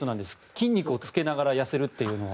筋肉をつけながら痩せるというのは。